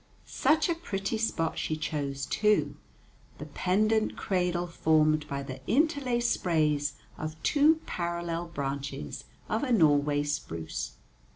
Such a pretty spot she chose, too, the pendent cradle formed by the interlaced sprays of two parallel branches of a Norway spruce.